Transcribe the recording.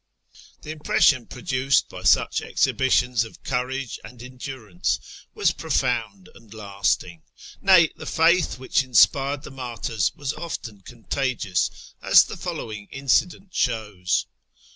" The impression produced by such exhibitions of courage and endurance was profound and lasting ; nay, the faith which in spired the martyrs was often contagious, as the following inci dent shows.